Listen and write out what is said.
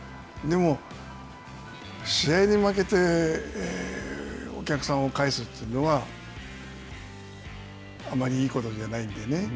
でも、試合に負けてお客さんを帰すというのはあまりいいことじゃないのでね。